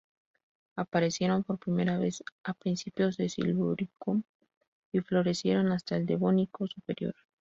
Aparecieron por primera vez a principios del Silúrico y florecieron hasta el Devónico Superior.